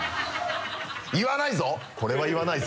言わないぞ！